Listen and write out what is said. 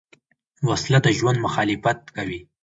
وسله د ژوند مخالفت کوي